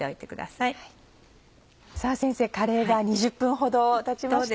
カレーが２０分ほどたちました。